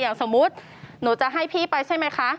สมมุติหนูจะให้พี่ไปใช่ไหมคะ